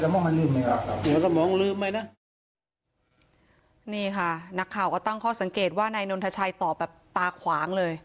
นี่ค่ะนักข่าวก็ตั้งข้อสังเกตว่านายนนทชัยตอบแบบตาขวางเลย